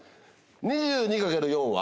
２２かける４は？